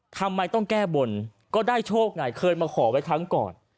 ทำไมต้องแก้บนก็ได้โชคไงเคยมาขอไว้ครั้งก่อน